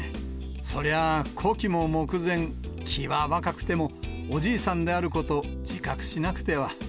そりゃ、古希も目前、気は若くても、おじいさんであること、自覚しなくては。